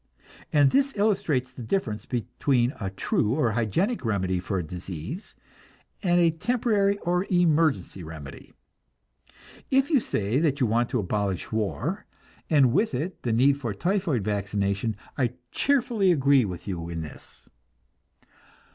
And this illustrates the difference between a true or hygienic remedy for disease, and a temporary or emergency remedy. If you say that you want to abolish war, and with it the need for typhoid vaccination, I cheerfully agree with you in this.